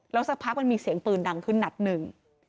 แล้วเสียงปืนดังขึ้นนัดหนึ่ง